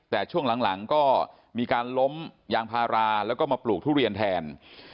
แต่ช่วงหลังก็มีการล้มยางพาราแล้วก็มาปลูกทุเรียนแทน